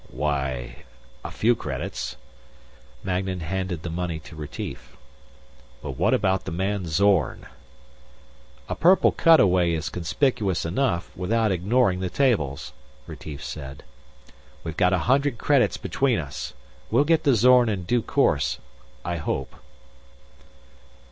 "Why ... a few credits." Magnan handed the money to Retief. "But what about the man Zorn?" "A purple cutaway is conspicuous enough, without ignoring the tables," Retief said. "We've got a hundred credits between us. We'll get to Zorn in due course, I hope."